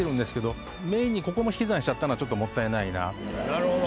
なるほど。